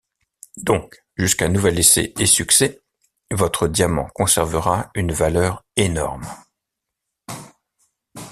Donc, jusqu’à nouvel essai et succès, votre diamant conservera une valeur énorme!...